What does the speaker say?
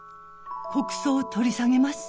告訴を取り下げます」。